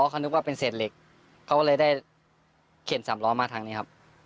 เขานึกว่าเป็นเศษเหล็กเขาก็เลยได้เข็นสามล้อมาทางนี้ครับ